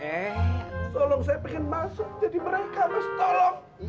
masuk jadi mereka mas tolong